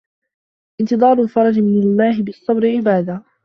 انْتِظَارُ الْفَرْجِ مِنْ اللَّهِ بِالصَّبْرِ عِبَادَةٌ